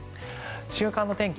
週間の天気